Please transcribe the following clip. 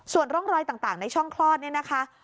ส่วนร่องรอยต่างในช่องคลอดเนี่ยนะคะ